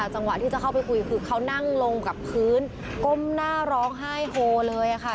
จังหวะที่จะเข้าไปคุยคือเขานั่งลงกับพื้นก้มหน้าร้องไห้โฮเลยค่ะ